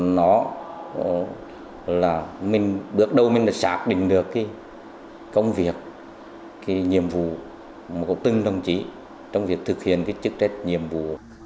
đó là mình bước đầu mình là xác định được cái công việc cái nhiệm vụ của tương đồng chí trong việc thực hiện cái chức trách nhiệm vụ